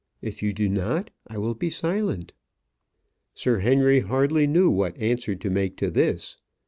If you do not, I will be silent." Sir Henry hardly knew what answer to make to this.